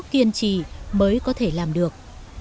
kiên trì mới có thể làm được